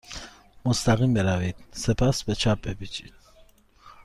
مستقیم بروید. سپس به چپ بپیچید.